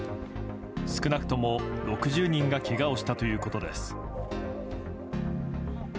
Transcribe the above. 少なくとも６０人がけがをしたということです。